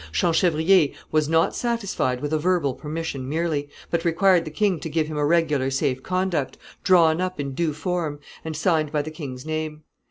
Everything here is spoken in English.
Champchevrier was not satisfied with a verbal permission merely, but required the king to give him a regular safe conduct, drawn up in due form, and signed by the king's name.